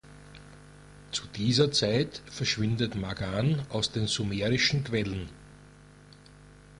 Zu dieser Zeit verschwindet Magan aus den sumerischen Quellen.